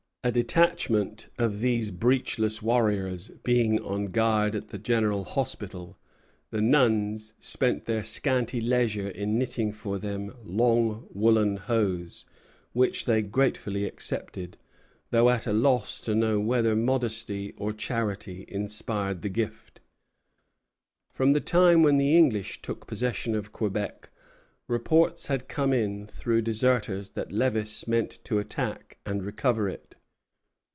A detachment of these breechless warriors being on guard at the General Hospital, the nuns spent their scanty leisure in knitting for them long woollen hose, which they gratefully accepted, though at a loss to know whether modesty or charity inspired the gift. From the time when the English took possession of Quebec, reports had come in through deserters that Lévis meant to attack and recover it.